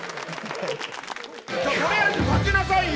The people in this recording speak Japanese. とりあえず立ちなさいよ。